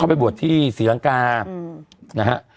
ไปบวชที่ศรีลังกานะฮะ